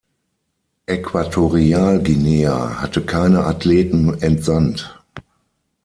Äquatorialguinea hatte keine Athleten entsandt.